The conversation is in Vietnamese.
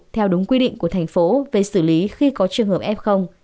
theo đúng quy định của thành phố về xử lý khi có trường hợp f